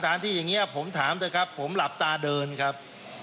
ที่อย่างนี้ผมถามเถอะครับผมหลับตาเดินครับ